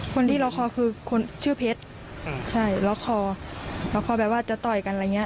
คนที่ล็อกคอคือคนชื่อเพชรใช่ล็อกคอล็อกคอแบบว่าจะต่อยกันอะไรอย่างเงี้